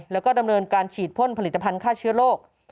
แล้วก็ดำเนินการฉีดพ่นผลิตภัณฑ์ฆ่าเชื้อโรค